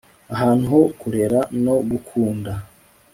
ahantu ho kurera no gukunda